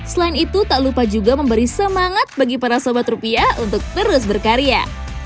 selain itu tak lupa juga memberi semangat bagi para sobat rupiah untuk terus berkarya